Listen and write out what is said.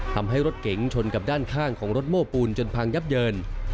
ทำให้รถเก๋งชนกับด้านข้างของรถโม้ปูนจนพังยับเยิน